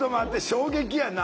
衝撃やな。